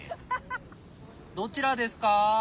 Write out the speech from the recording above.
どちらですか？